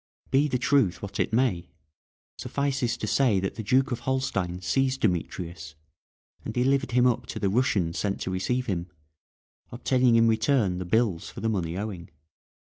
Be the truth what it may, suffices to say that the Duke of Holstein seized Demetrius, and delivered him up to the Russians sent to receive him, obtaining in return the bills for the money owing.